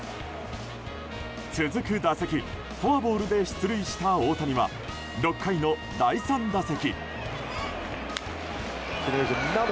続く打席フォアボールで出塁した大谷は６回の第３打席。